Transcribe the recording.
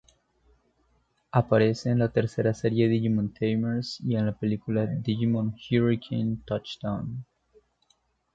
Aparece en la tercera serie Digimon Tamers y en la película “Digimon Hurricane Touchdown!!